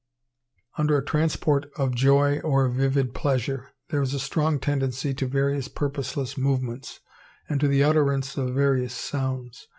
Under a transport of Joy or of vivid Pleasure, there is a strong tendency to various purposeless movements, and to the utterance of various sounds.